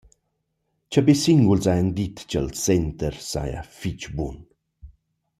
Cha be singuls hajan dit cha’l center saja fich bun.